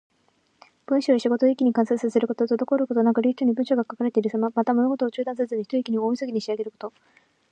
文章や仕事を一気に完成させること。滞ることなく流暢に文章が書かれているさま。また、物事を中断せずに、ひと息に大急ぎで仕上げること。